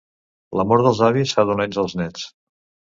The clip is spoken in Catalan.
L'amor dels avis fa dolents els nets.